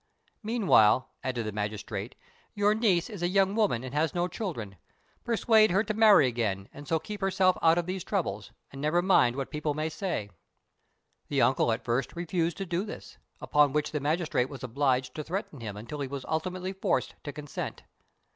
"Meanwhile," added the magistrate, "your niece is a young woman and has no children; persuade her to marry again and so keep herself out of these troubles, and never mind what people may say." The uncle at first refused to do this; upon which the magistrate was obliged to threaten him until he was ultimately forced to consent.